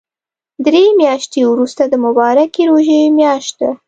دري مياشتی ورسته د مبارکی ژوری مياشت ده